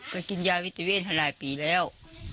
ไปกินยาวิทยาเวทหลายปีแล้ว